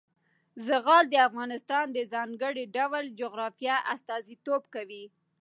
زغال د افغانستان د ځانګړي ډول جغرافیه استازیتوب کوي.